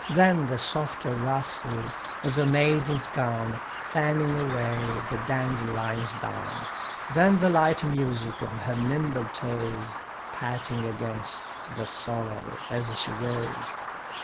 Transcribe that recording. Than the soft rustle of a maiden's gown Fanning away the dandelion's down; Than the light music of her nimble toes Patting against the sorrel as she goes.